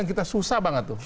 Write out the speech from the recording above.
kita susah banget tuh